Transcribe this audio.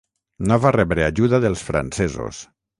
No va rebre ajuda dels francesos.